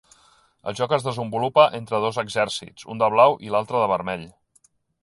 El joc es desenvolupa entre dos exèrcits, un de blau i l'altre de vermell.